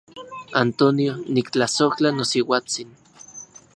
Antonio, niktlasojtla nosiuatsin.